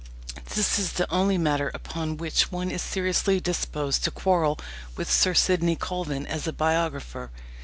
This is the only matter upon which one is seriously disposed to quarrel with Sir Sidney Colvin as a biographer.